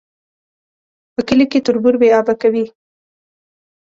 په کلي کي تربور بې آبه کوي